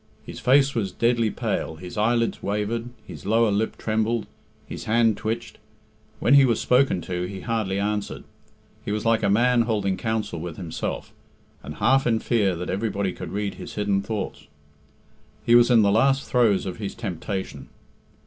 His face was deadly pale, his eyelids wavered, his lower lip trembled, his hand twitched; when he was spoken to, he hardly answered; he was like a man holding counsel with himself, and half in fear that everybody could read his hidden thoughts. He was in the last throes of his temptation.